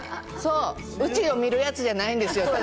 うちを見るやつじゃないんですよ。